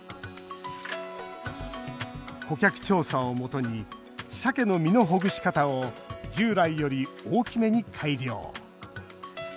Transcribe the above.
顧客調査をもとにしゃけの身のほぐし方を従来より大きめに改良。